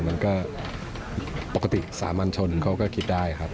มันก็ปกติสามัญชนเขาก็คิดได้ครับ